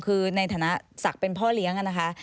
คือในฐานะศักดิ์เป็นพ่อเลี้ยงนะคะ